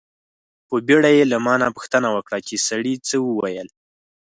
په بیړه یې له ما نه پوښتنه وکړه چې سړي څه و ویل.